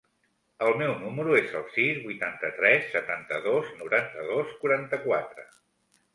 El meu número es el sis, vuitanta-tres, setanta-dos, noranta-dos, quaranta-quatre.